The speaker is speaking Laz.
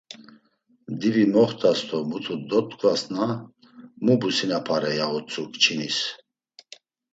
Divi moxtas do mutu dotkvasna ma businapare ya utzu kçinis.